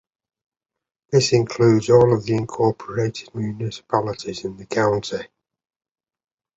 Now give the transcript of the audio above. This includes all of the incorporated municipalities in the county.